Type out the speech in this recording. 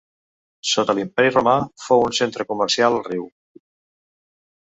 Sota l'Imperi Romà fou un centre comercial al riu.